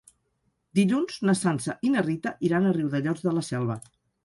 Dilluns na Sança i na Rita iran a Riudellots de la Selva.